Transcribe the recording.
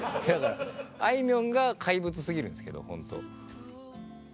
あいみょんが怪物すぎるんですけどほんと。